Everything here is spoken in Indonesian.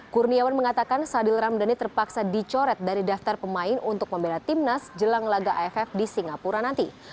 kurniawan mengatakan sadil ramdhani terpaksa dicoret dari daftar pemain untuk membela timnas jelang laga aff di singapura nanti